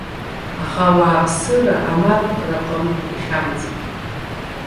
Аха, ауааԥсыра амапкра аҟынтә ихьамҵит.